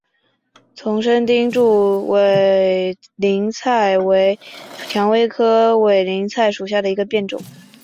丛生钉柱委陵菜为蔷薇科委陵菜属下的一个变种。